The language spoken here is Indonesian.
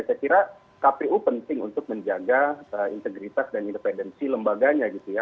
saya kira kpu penting untuk menjaga integritas dan independensi lembaganya gitu ya